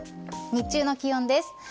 日中の気温です。